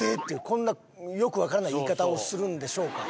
こんなよく分からない言い方をするんでしょうか？